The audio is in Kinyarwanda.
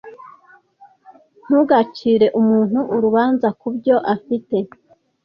Ntugacire umuntu urubanza kubyo afite.